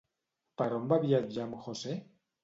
Per on va viatjar amb José?